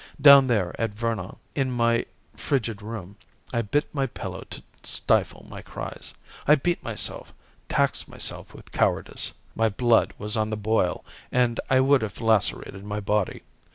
Down there at Vernon, in my frigid room, I bit my pillow to stifle my cries. I beat myself, taxed myself with cowardice. My blood was on the boil, and I would have lacerated my body.